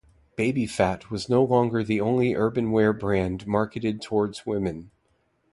Baby Phat was no longer the only urban wear brand marketed towards women.